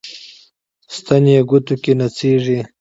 ستن یې ګوتو کې نڅیږي